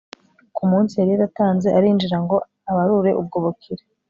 ku munsi yari yatanze, arinjira ngo abarure ubwo bukire